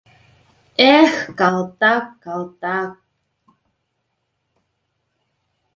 — Эх, калтак, калтак...